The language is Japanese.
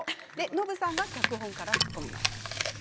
ノブさんは客席から突っ込みます。